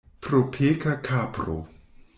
Propeka kapro.